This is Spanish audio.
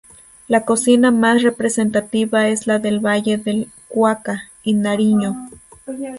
La cocina más representativa es la del Valle del Cauca y Nariño.